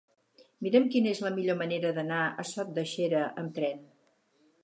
Mira'm quina és la millor manera d'anar a Sot de Xera amb tren.